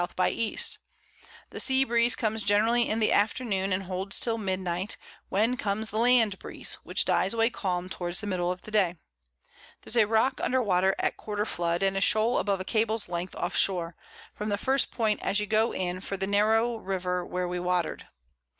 by E. The Sea Breeze comes generally in the Afternoon, and holds till Midnight, when comes the Land Breeze, which dies away calm towards the Middle of the Day. There's a Rock under Water at quarter Flood, and a Shoal above a Cable's Length off Shore, from the first Point as you go in for the narrow River where we water'd.